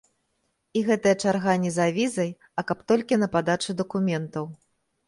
І гэтая чарга не за візай, а каб толькі на падачу дакументаў.